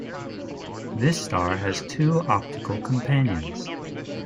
This star has two optical companions.